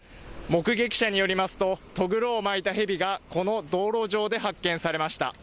目撃者によりますと、とぐろを巻いたヘビがこの道路上で発見されました。